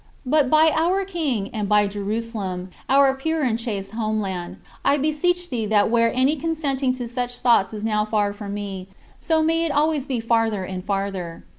But by our King, and by Jerusalem, our pure and chaste homeland, I beseech thee that where any consenting to such thoughts is now far from me, so may it always be farther and farther.